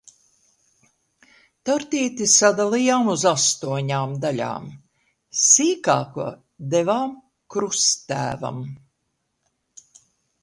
Tortīti sadalījām uz astoņām daļām, sīkāko devām kruttēvam.